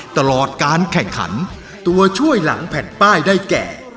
ตลอดการแข่งขันตัวช่วยหลังแผ่นป้ายได้แก่